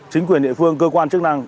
chính quyền địa phương cơ quan chức năng